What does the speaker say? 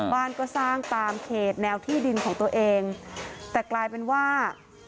บ้านก็สร้างตามเขตแนวที่ดินของตัวเองแต่กลายเป็นว่า